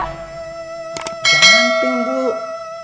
jangan pink bu